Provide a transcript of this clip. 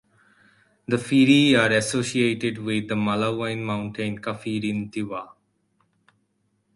The Phiri are associated with the Malawian mountain Kaphirintiwa.